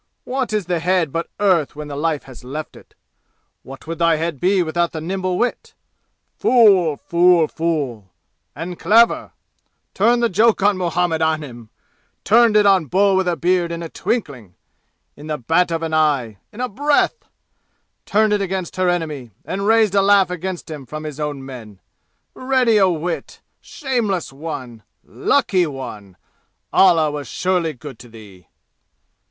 What is the head but earth when the life has left it? What would thy head be without the nimble wit? Fool fool fool! And clever! Turned the joke on Muhammad Anim! Turned it on Bull with a beard in a twinkling in the bat of an eye in a breath! Turned it against her enemy and raised a laugh against him from his own men! Ready o' wit! Shameless one! Lucky one! Allah was surely good to thee!"